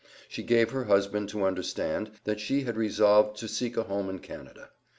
She gave her husband to understand, that she had resolved to seek a home in Canada.